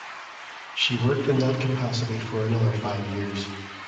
She worked in that capacity for another five years.